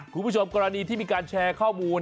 คุณผู้ชมกรณีที่มีการแชร์ข้อมูล